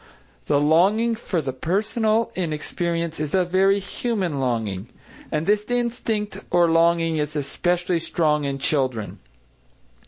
The longing for the personal in experience is a very human longing. And this instinct or longing is especially strong in children.